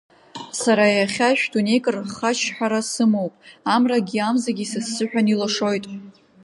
Сара иахьа шә-дунеик рхачҳара сымоуп, Амрагьы амзагьы са сзыҳәан илашоит.